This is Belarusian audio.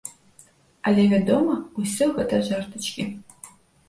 Але вядома, усё гэта жартачкі.